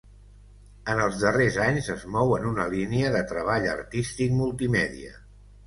En els darrers anys es mou en una línia de treball artístic multimèdia.